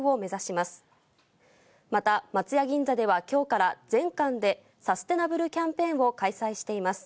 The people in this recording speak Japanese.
また、松屋銀座ではきょうから、全館でサステナブルキャンペーンを開催しています。